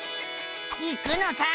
行くのさ！